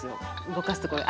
動かすところが。